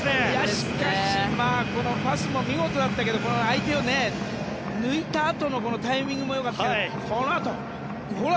しかし、まあこのパスも見事だったけど相手を抜いたあとのタイミングもよかったけどこのあと、ほら！